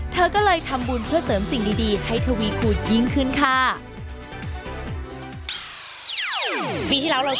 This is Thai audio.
เธอก็เลยทำบุญเพื่อเสริมสิ่งดีให้ทวีคูณยิ่งขึ้นค่ะ